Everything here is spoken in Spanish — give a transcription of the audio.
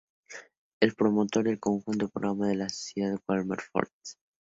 El promotor del conjunto del programa es la sociedad Wharf Holdings.